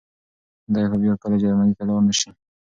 دی به بيا کله جرمني ته لاړ نه شي.